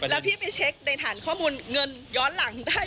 แล้วพี่ไปเช็คในฐานข้อมูลเงินย้อนหลังได้